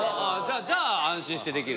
じゃあ安心してできる。